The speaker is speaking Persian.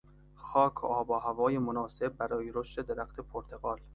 خاک و آب و هوای مناسب برای رشد درخت پرتقال